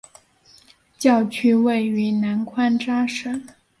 教区位于南宽扎省。